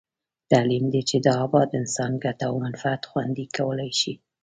تعلیم دی چې د اباد انسان ګټه او منفعت خوندي کولای شي.